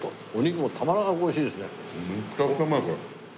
めっちゃくちゃうまいこれ。